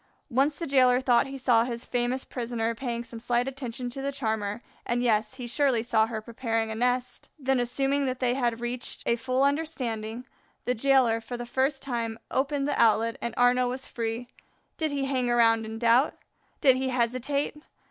Once the jailer thought he saw his famous prisoner paying some slight attention to the charmer, and, yes, he surely saw her preparing a nest. Then assuming that they had reached a full understanding, the jailer, for the first time, opened the outlet, and Arnaux was free. Did he hang around in doubt? Did he hesitate?